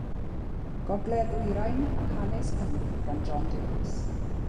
Gogledd-ddwyrain a Hanes Cymru gan John Davies.